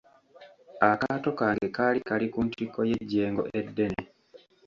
Akaato kange kaali kali ku ntikko y'ejjengo eddene.